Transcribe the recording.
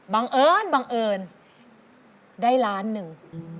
บังเอิญได้ล้านหนึ่ง